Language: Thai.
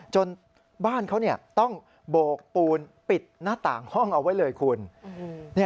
จนบ้านเขาต้องโบกปูนปิดหน้าต่างห้องเอาไว้เลยคุณ